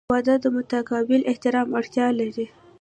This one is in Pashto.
• واده د متقابل احترام اړتیا لري.